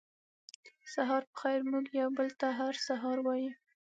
سهار پخېر موږ یو بل ته هر سهار وایو